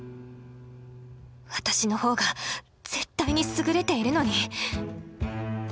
私の方が絶対に優れているのに！